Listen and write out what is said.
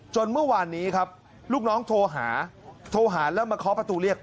เมื่อวานนี้ครับลูกน้องโทรหาโทรหาแล้วมาเคาะประตูเรียก